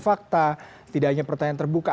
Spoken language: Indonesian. fakta tidak hanya pertanyaan terbuka